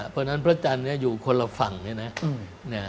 เพราะฉะนั้นพระจันทร์อยู่คนละฝั่งเนี่ยนะ